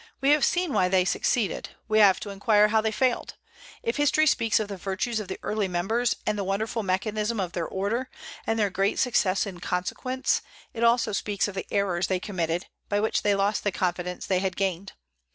We have seen why they succeeded; we have to inquire how they failed. If history speaks of the virtues of the early members, and the wonderful mechanism of their Order, and their great success in consequence, it also speaks of the errors they committed, by which they lost the confidence they had gained.